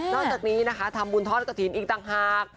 จากนี้นะคะทำบุญทอดกระถิ่นอีกต่างหาก